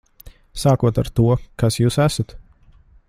Sākot ar to, kas jūs esat.